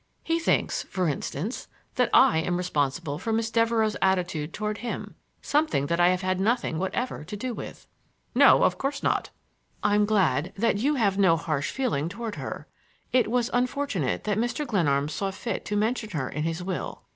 He thinks, for instance, that I am responsible for Miss Devereux's attitude toward him,—something that I have had nothing whatever to do with." "No, of course not." "I'm glad you have no harsh feeling toward her. It was unfortunate that Mr. Glenarm saw fit to mention her in his will.